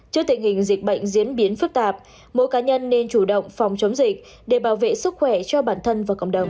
trước tình hình dịch bệnh diễn biến phức tạp mỗi cá nhân nên chủ động phòng chống dịch để bảo vệ sức khỏe cho bản thân và cộng đồng